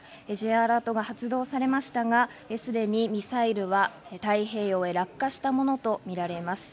Ｊアラートが発動されましたが、すでにミサイルは太平洋へ落下したものとみられます。